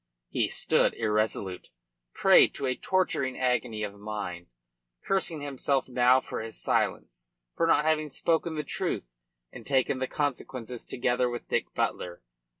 He stood irresolute, prey to a torturing agony of mind, cursing himself now for his silence, for not having spoken the truth and taken the consequences together with Dick Butler.